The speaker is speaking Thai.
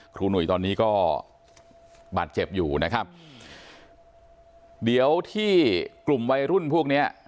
หนุ่ยตอนนี้ก็บาดเจ็บอยู่นะครับเดี๋ยวที่กลุ่มวัยรุ่นพวกเนี้ย